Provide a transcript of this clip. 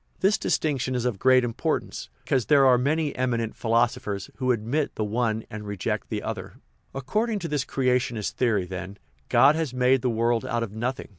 This dis tinction is of great importance, because there are many eminent philosophers who admit the one and reject the other. According to this creationist theory, then, God has "made the world out of nothing."